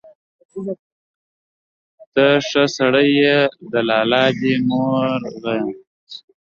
ته ښه سړى يې، د لالا دي مور غيم.